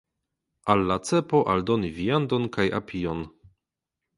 Al la cepo aldoni viandon kaj apion.